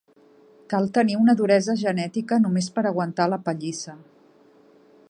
Cal tenir una duresa genètica només per aguantar la pallissa.